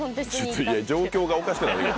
いや状況がおかしくなる。